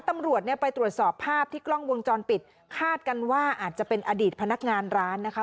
ตำรวจเนี่ยไปตรวจสอบภาพที่กล้องวงจรปิดคาดกันว่าอาจจะเป็นอดีตพนักงานร้านนะคะ